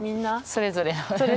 それぞれ。